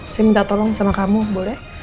saya minta tolong sama kamu boleh